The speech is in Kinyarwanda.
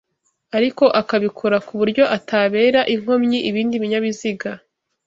ariko akabikora ku buryo atabera inkomyi ibindi binyabiziga